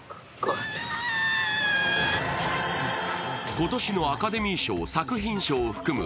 今年のアカデミー賞作品賞を含む